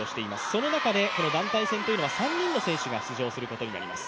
その中で団体戦は３人の選手が出場することになります。